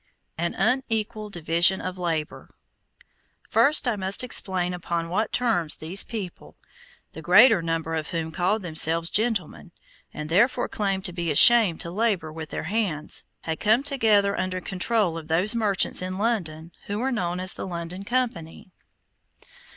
AN UNEQUAL DIVISION OF LABOR First I must explain upon what terms these people, the greater number of whom called themselves gentlemen, and therefore claimed to be ashamed to labor with their hands, had come together under control of those merchants in London, who were known as the London Company.